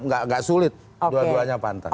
nggak sulit dua duanya pantas